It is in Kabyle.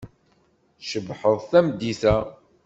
Tcebḥeḍ tameddit-a.